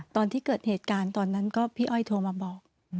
ตอนที่เกิดเหตุการณ์ตอนนั้นก็พี่อ้อยโทรมาบอก